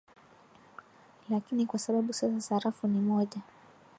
lakini kwa sababu sasa sarafu ni moja